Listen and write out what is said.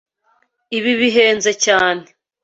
Ibi bihenze cyane.